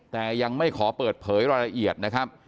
แต่ยังไม่ขอเปิดเผยรายละเอียดนะครับ